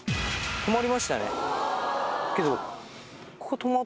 止まりましたね。